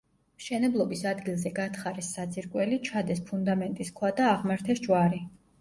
მშენებლობის ადგილზე გათხარეს საძირკველი, ჩადეს ფუნდამენტის ქვა და აღმართეს ჯვარი.